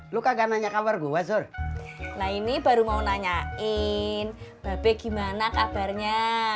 lu kagak nanya kabar gua sur nah ini baru mau nanyain bapak gimana kabarnya